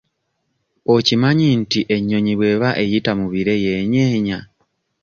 Okimanyi nti ennyonyi bw'eba eyita mu bire yeenyeenya?